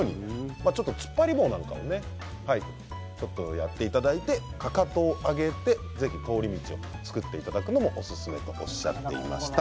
突っ張り棒なんかもやっていただいてかかとを上げてぜひ通り道を作っていただくのもおすすめとおっしゃっていました。